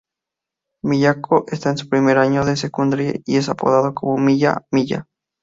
Miyako está en su primer año de secundaria y es apodada como "Miya-Miya".